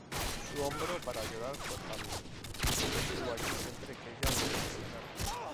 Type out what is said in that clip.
Su hombro para llorar fue Javier, que estuvo allí siempre que ella lo necesitara.